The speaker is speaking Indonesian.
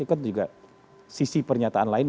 kan juga sisi pernyataan lain